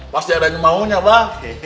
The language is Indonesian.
pasti ada yang maunya bah